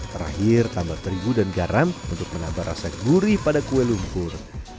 terakhir tambah terigu dan garam untuk menambah rasa gurih pada kue lumpur